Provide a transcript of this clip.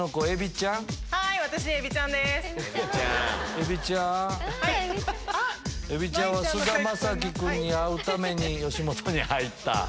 えびちゃんは菅田将暉君に会うために吉本に入った。